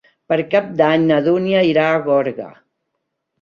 Per Cap d'Any na Dúnia irà a Gorga.